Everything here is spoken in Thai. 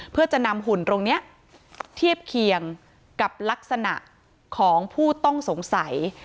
เพื่อจะนำหุ่นตรงนี้เทียบเคียงกับลักษณะของผู้ต้องสงสัย